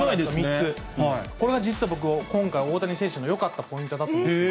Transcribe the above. これは実は僕、今回大谷選手のよかったポイントだと思っていて。